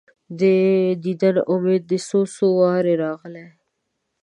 د دیدن امید دي څو، څو واره راغلی